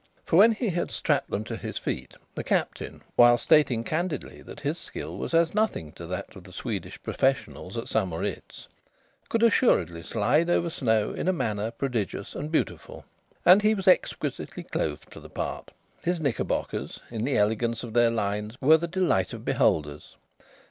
For when he had strapped them to his feet the Captain, while stating candidly that his skill was as nothing to that of the Swedish professionals at St Moritz, could assuredly slide over snow in manner prodigious and beautiful. And he was exquisitely clothed for the part. His knickerbockers, in the elegance of their lines, were the delight of beholders.